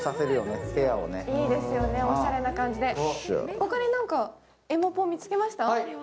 ほかに何か、エモポ見つけました？